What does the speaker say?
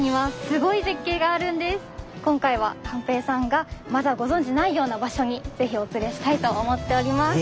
今回は寛平さんがまだご存じないような場所にぜひお連れしたいと思っております。